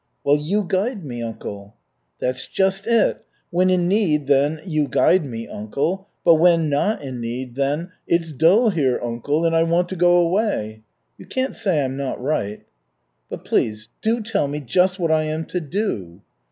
"Well, you guide me, uncle." "That's just it. When in need then 'You guide me, uncle,' but when not in need, then 'It's dull here, uncle, and I want to go away.' You can't say I'm not right." "But please do tell me just what I am to do."